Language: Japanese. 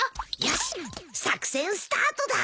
よし作戦スタートだ。